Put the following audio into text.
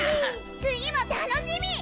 次も楽しみ！